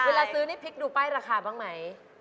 เวลาซื้อนี่พลิกดูป้ายราคาบ้างไหม